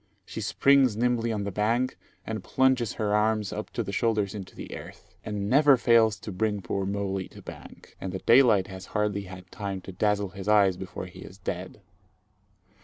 She springs nimbly on the bank, and plunges her arms up to the shoulders into the earth, and never fails to bring poor molie to bank; and the daylight has hardly had time to dazzle his eyes before he is dead.